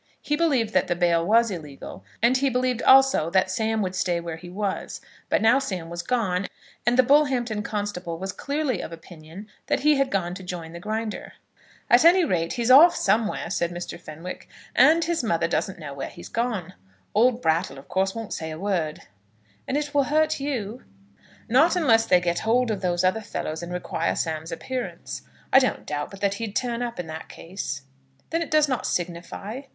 He believed that the bail was illegal, and he believed also that Sam would stay where he was. But now Sam was gone, and the Bullhampton constable was clearly of opinion that he had gone to join the Grinder. "At any rate, he's off somewhere," said Mr. Fenwick, "and his mother doesn't know where he's gone. Old Brattle, of course, won't say a word." "And will it hurt you?" "Not unless they get hold of those other fellows and require Sam's appearance. I don't doubt but that he'd turn up in that case." "Then it does not signify?"